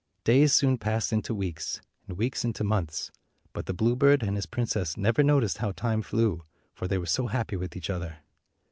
Days soon passed into weeks, and weeks into months, but the bluebird and his princess never noticed how time flew, for they were so happy with each other.